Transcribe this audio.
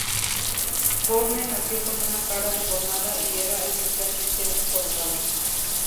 Bourne nació con una cara deformada y era, esencialmente, un jorobado.